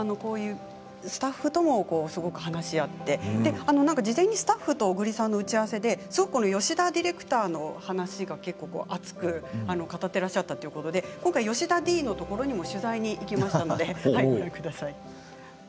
スタッフともすごく話し合って事前にスタッフと小栗さんの打ち合わせですごく吉田ディレクターの話を結構熱く語っていらっしゃったということで今回は吉田Ｄのところにも取材に行きました。